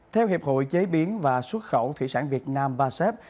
theo hiệp hội chế biến và xuất khẩu thủy sản việt nam vasep